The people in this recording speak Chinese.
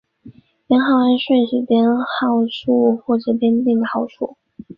编号按顺序编号数或者编定的号数。